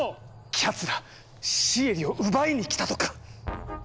⁉きゃつらシエリを奪いに来たとか？